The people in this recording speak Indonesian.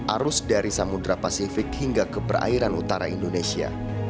arus dari samudera pasifik hingga ke perairan utara indonesia